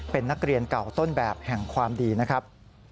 เป็นนักเรียนเก่าต้นแบบแห่งความดีนะครับ